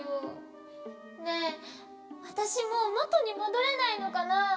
ねえわたしもうもとにもどれないのかなあ？